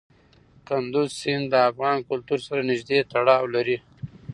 کندز سیند د افغان کلتور سره نږدې تړاو لري.